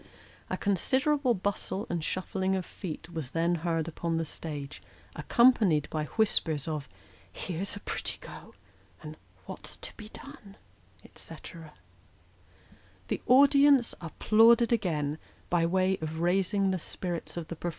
A considerable bustle and shuffling of feet was then heard upon the stage, accompanied by whispers of " Here's a pretty go ! what's to be done ?" &c. The audience applauded again, by way of raising the spirits of the per 324 Sketches by Boz.